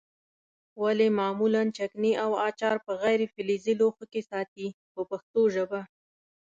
ولې معمولا چکني او اچار په غیر فلزي لوښو کې ساتي په پښتو ژبه.